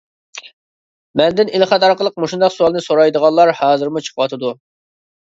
مەندىن ئېلخەت ئارقىلىق مۇشۇنداق سوئالنى سورايدىغانلار ھازىرمۇ چىقىۋاتىدۇ.